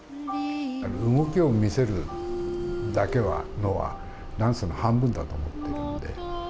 動きを見せるだけなのは、ダンスの半分だと思ってるんで。